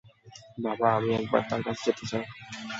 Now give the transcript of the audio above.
বাবা, আমি একবার তাঁর কাছে যেতে চাই।